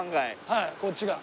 はいこっちが。